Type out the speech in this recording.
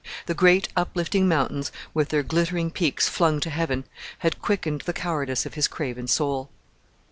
The great uplifting mountains with their glittering peaks flung to heaven had quickened the cowardice of his craven soul.